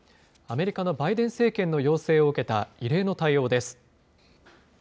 アメリカのバイデン政権の要請を受けた異例の対応です。